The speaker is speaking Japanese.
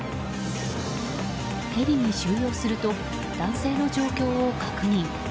ヘリに収容すると男性の状況を確認。